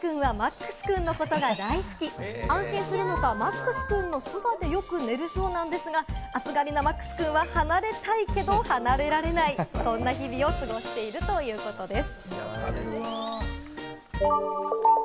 実はロイくんはマックスくんのことが大好き、安心するのかマックスくんの近くで、よく寝るそうなんですが、暑がりなマックスくんは離れたいけれども離れられない、そんな日々を過ごしているそうです。